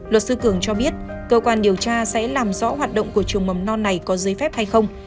luật sư cường cho biết cơ quan điều tra sẽ làm rõ hoạt động của trường mầm non này có giấy phép hay không